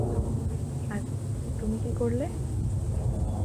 আর তুমি কি করলে?